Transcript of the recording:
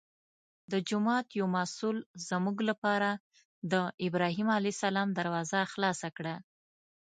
د جومات یو مسوول زموږ لپاره د ابراهیم علیه السلام دروازه خلاصه کړه.